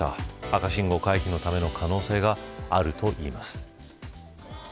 赤信号回避のための可能性があるといいます。